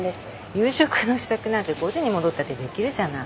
夕食の支度なんて５時に戻ったってできるじゃない。